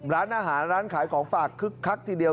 ร้านอาหารร้านขายของฝากคึกคักทีเดียว